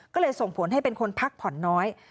ก็เลยส่งผลให้เป็นคนพักผ่อนน้อย